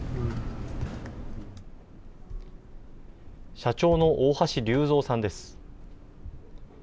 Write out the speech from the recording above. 社長の大橋隆三さんです。